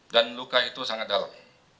dan luka itu sangat dalam